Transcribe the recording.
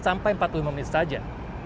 sampai empat puluh menit saja